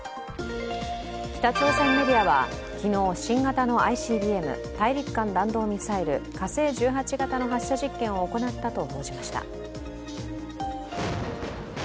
北朝鮮メディアは昨日、新型のＩＣＢＭ＝大陸間弾道ミサイル火星１８型の発射実験を行ったと報じました。